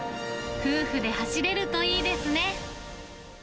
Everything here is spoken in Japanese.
夫婦で走れるといいですね。